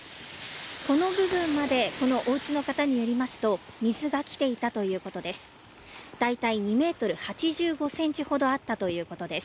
この部分までこのおうちの方によりますと水が来ていたということです。